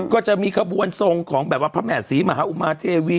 ก็จะมีขบวนทรงของแบบว่าพระแม่ศรีมหาอุมาเทวี